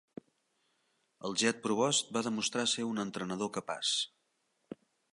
El Jet Provost va demostrar ser un entrenador capaç.